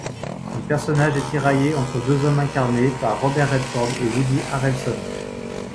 Son personnage est tiraillé entre deux hommes incarnés par Robert Redford et Woody Harrelson.